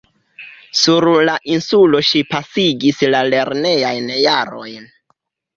Sur la insulo ŝi pasigis la lernejajn jarojn.